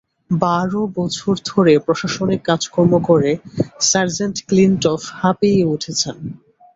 বারো বছর ধরে প্রশাসনিক কাজকর্ম করে, সার্জেন্ট ক্লিনটফ হাঁপিয়ে উঠেছেন।